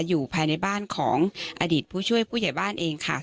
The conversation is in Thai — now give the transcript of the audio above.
อยู่ภายในบ้านของอดีตผู้ช่วยผู้ใหญ่บ้านเองค่ะ